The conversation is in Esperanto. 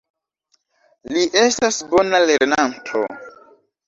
Li estas bona lernanto.